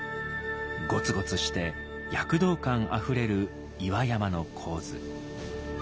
ゴツゴツして躍動感あふれる岩山の構図。